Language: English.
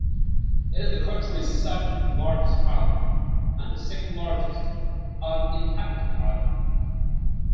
It is the country's seventh largest island, and the second largest uninhabited island.